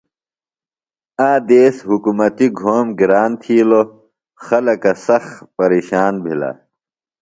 آ دیس حُکمتیۡ گھوم گران تِھیلوۡ۔ خلکہ سخت پیرشان بِھلہ۔